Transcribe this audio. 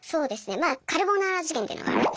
まあ「カルボナーラ事件」っていうのがあるんですけど。